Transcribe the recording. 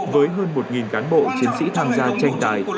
với hơn một cán bộ chiến sĩ tham gia tranh tài